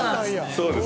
そうです